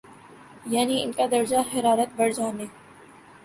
یعنی ان کا درجہ حرارت بڑھ جانے